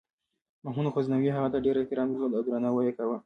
محمود غزنوي هغه ته ډېر احترام درلود او درناوی یې کاوه.